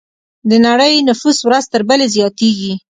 د نړۍ نفوس ورځ تر بلې زیاتېږي.